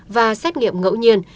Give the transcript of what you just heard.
và xét nghiệm ngẫu nhiễm